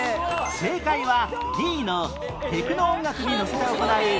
正解は Ｄ のテクノ音楽にのせて行うテクノ法要